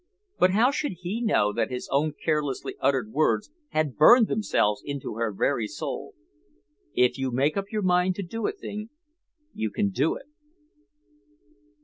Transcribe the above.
But how should he know that his own carelessly uttered words had burned themselves into her very soul? "_If you make up your mind to do a thing you can do it.